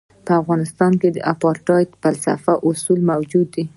په افغانستان کې د اپارټایډ فلسفي اصول موجود دي.